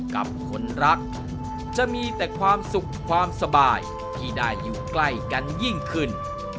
กับคนรักจะมีแต่ความสุขความสบายที่ได้อยู่ใกล้กันยิ่งขึ้น